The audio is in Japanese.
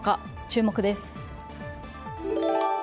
注目です。